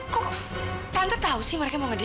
kok tante tahu sih mereka mau ngedin